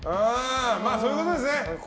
まあ、そういうことですね。